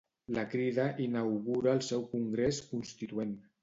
La Crida inaugura el seu congrés constituent.